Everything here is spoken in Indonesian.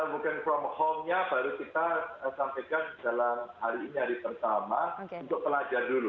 working from home nya baru kita sampaikan dalam hari ini hari pertama untuk pelajar dulu